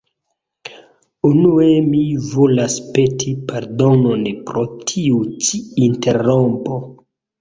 Unue mi volas peti pardonon pro tiu ĉi interrompo